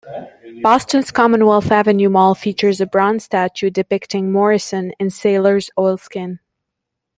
Boston's Commonwealth Avenue Mall features a bronze statue depicting Morison in sailor's oilskin.